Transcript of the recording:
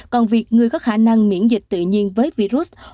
còn việc người có khả năng miễn dịch tự nhiên với virus